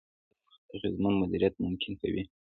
مصنوعي ځیرکتیا د وخت اغېزمن مدیریت ممکن کوي.